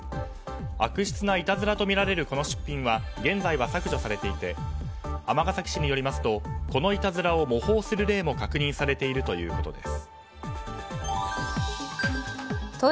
悪質ないたずらとみられるこの出品は現在は削除されていて尼崎市によりますとこのいたずらを模倣する例も確認されているということです。